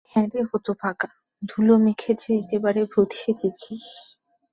হ্যাঁরে হতভাগা, ধুলো মেখে যে একেবারে ভূত সেজেছিস?